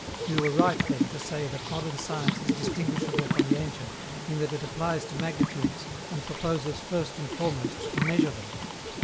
We were right then to say that modern science is distinguishable from the ancient in that it applies to magnitudes and proposes first and foremost to measure them.